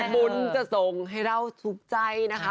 บุญจะส่งให้เราสุขใจนะคะ